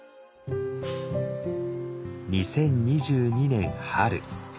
２０２２年春。